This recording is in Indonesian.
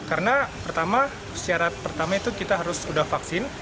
karena pertama secara pertama itu kita harus sudah vaksin